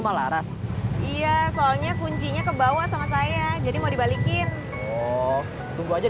malaras iya soalnya kuncinya kebawa sama saya jadi mau dibalikin tunggu aja